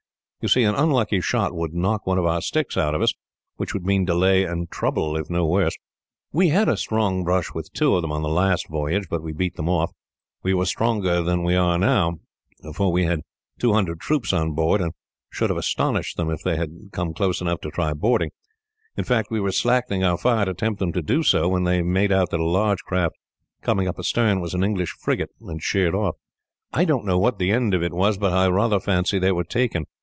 You see, an unlucky shot might knock one of our sticks out of us, which would mean delay and trouble, if no worse. "We had a sharp brush with two of them, on the last voyage, but we beat them off. We were stronger then than we are now, for we had two hundred troops on board, and should have astonished them if they had come close enough to try boarding in fact, we were slackening our fire, to tempt them to do so, when they made out that a large craft coming up astern was an English frigate, and sheered off. "I don't know what the end of it was, but I rather fancy they were taken.